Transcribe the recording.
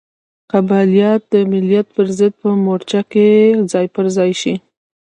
قبایلت د ملت پرضد په مورچه کې ځای پر ځای شي.